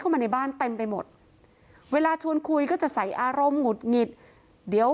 คุณปุ้ยอายุ๓๒นางความร้องไห้พูดคนเดี๋ยว